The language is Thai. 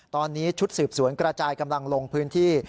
ตอนนี้ชุดสืบสวนกระจายกำลังลงพื้นที่